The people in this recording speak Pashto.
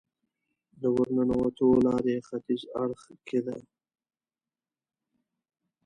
د ورننوتو لاره یې ختیځ اړخ کې ده.